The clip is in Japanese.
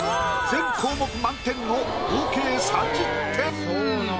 全項目満点の合計３０点。